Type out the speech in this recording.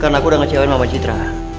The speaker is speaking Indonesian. karena aku udah ngecewain mama citra